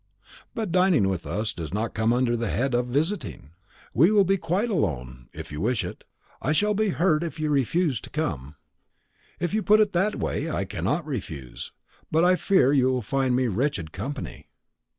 "But dining with us does not come under the head of visiting. We will be quite alone, if you wish it. I shall be hurt if you refuse to come." "If you put it in that way, I cannot refuse; but I fear you will find me wretched company."